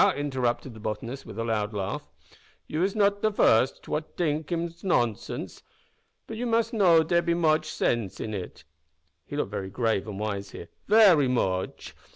interrupted the botanist, with a loud laugh; "you is not the first what t'ink hims nonsense. But you mus' know dere be moche sense in it," (he looked very grave and wise here) "very moche.